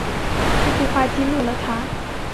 这句话激怒了他